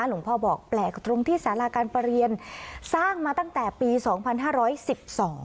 บอกแปลกตรงที่สาราการประเรียนสร้างมาตั้งแต่ปีสองพันห้าร้อยสิบสอง